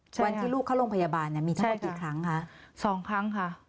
วันที่ลูกเข้าโรงพยาบาลมีเท่าไหร่กี่ครั้งค่ะ๒ครั้งค่ะ